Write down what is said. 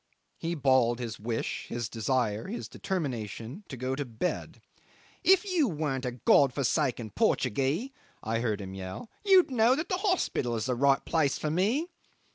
He bawled his wish, his desire, his determination to go to bed. "If you weren't a God forsaken Portuguee," I heard him yell, "you would know that the hospital is the right place for me."